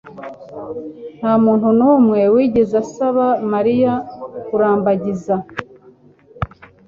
Ntamuntu numwe wigeze asaba Mariya kurambagiza.